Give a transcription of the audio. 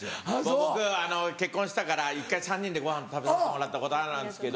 僕結婚したから１回３人でごはん食べさせてもらったことあるんですけど。